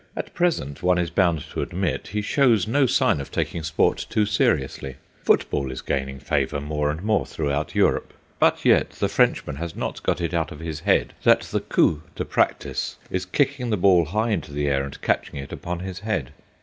At present, one is bound to admit, he shows no sign of taking sport too seriously. Football is gaining favour more and more throughout Europe. But yet the Frenchman has not got it out of his head that the coup to practise is kicking the ball high into the air and catching it upon his head.